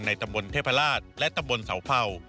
ในตะบุญเทพลาสและตะบุญเสาเผ่า